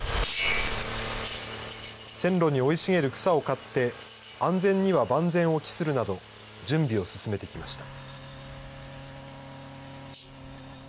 線路に生い茂る草を刈って、安全には万全を期するなど、準備を進めてきました。